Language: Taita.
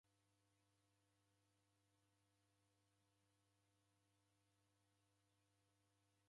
Kampuni idimagha kugua viria vose.